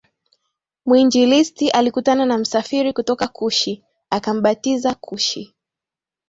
mwinjilisti alikutana na msafiri kutoka Kushi akambatiza Kushi